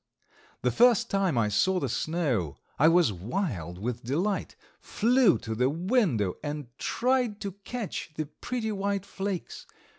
The first time I saw the snow I was wild with delight, flew to the window and tried to catch the pretty white flakes.